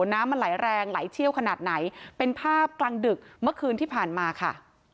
น้ำมันไหลแรงไหลเชี่ยวขนาดไหนเป็นภาพกลางดึกเมื่อคืนที่ผ่านมาค่ะ